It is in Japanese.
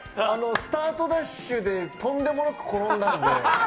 スタートダッシュで、とんでもなく転んだんで。